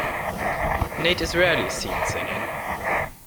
Nate is rarely seen singing.